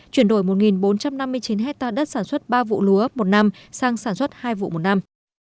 chuyển đổi một bốn trăm năm mươi chín hectare đất sản xuất ba vụ lúa một năm sang sản xuất hai vụ một năm